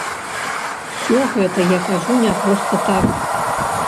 Усё гэта я кажу не проста так.